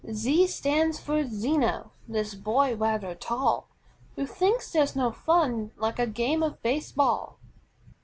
Z stands for ZENO, this boy rather tall, Who thinks there's no fun like a game of Base Ball.